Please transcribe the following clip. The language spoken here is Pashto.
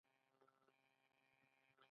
آیا نستعلیق د دوی ښکلی خط نه دی؟